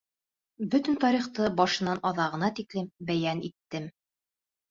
Бөтөн тарихты башынан-аҙағына тиклем бәйән иттем.